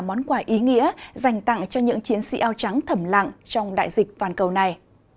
món quà ý nghĩa dành tặng cho những chiến sĩ áo trắng thẩm lặng trong đại dịch toàn cầu này